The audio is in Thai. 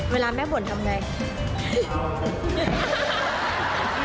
เวลาแม่บ่นทำไง